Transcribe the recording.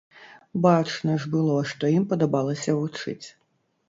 Бачна ж было, што ім падабалася вучыць.